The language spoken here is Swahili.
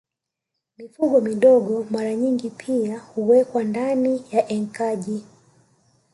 Mifugo midogo mara nyingi pia huwekwa ndani ya enkaji